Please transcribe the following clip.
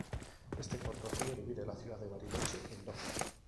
Este corto río divide la ciudad de Bariloche en dos.